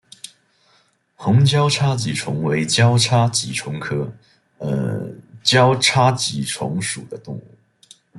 红交叉棘虫为交叉棘虫科交叉棘虫属的动物。